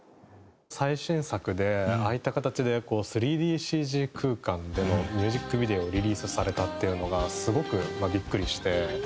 最新作でああいった形で３ＤＣＧ空間でミュージックビデオをリリースされたっていうのがすごくビックリして。